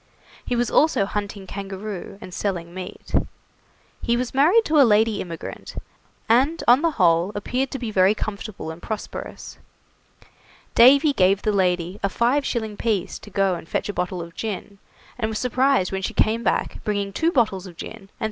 He was also hunting kangaroo and selling meat. He was married to a lady immigrant, and on the whole appeared to be very comfortable and prosperous. Davy gave the lady a five shilling piece to go and fetch a bottle of gin, and was surprised when she came back bringing two bottles of gin and 3s.